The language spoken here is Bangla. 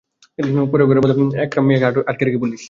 পরে ঘরের মধ্যে একরাম মিয়াকে আটকে রেখে পুলিশকে খবর দেওয়া হয়।